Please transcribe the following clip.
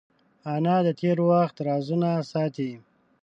انا د تېر وخت رازونه ساتي